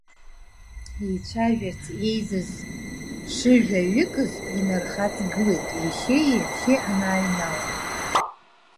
Еицәажәарц еизаз шыжәаҩыкыз инархаҵгылеит ешьеи еҳәшьеи анааҩнала.